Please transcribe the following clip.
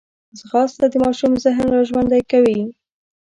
ځغاسته د ماشوم ذهن راژوندی کوي